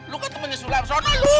lu kan temennya sulam sana lu